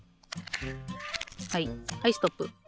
はいはいストップ。